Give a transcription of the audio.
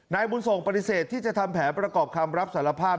บุญส่งปฏิเสธที่จะทำแผนประกอบคำรับสารภาพ